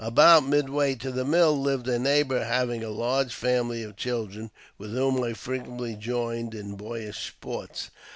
About midway to the mill lived a neighbour having a large family of children, with whom I frequently joined in boyish sports.